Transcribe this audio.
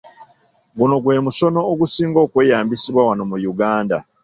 Guno gwe musono ogusinga okweyambisibwa wano mu Uganda.